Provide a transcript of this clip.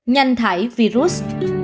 nhân thải virus